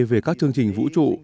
về các chương trình vũ trụ